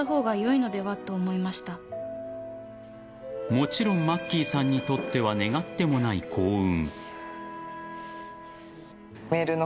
もちろんマッキーさんにとっては願ってもない幸運。